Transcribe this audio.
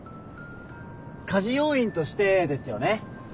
家事要員としてですよね。